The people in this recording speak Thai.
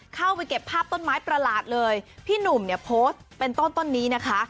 เข้าไปเก็บภาพต้นไม้ประหลาดเลยพี่หนุ่มเนี่ยโพสต์เป็นต้นต้นนี้นะคะ